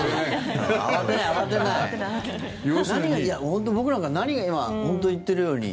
本当、僕なんか、何が今本当に言っているように。